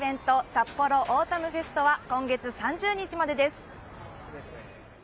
さっぽろオータムフェストは今月３０日までです。